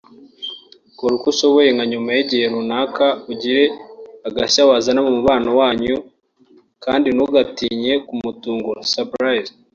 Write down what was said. kora uko ushoboye nka nyuma y’igihe runaka ugire agashya wazana mu mubano wanyu kandi ntugatinye kumutungura (surprise)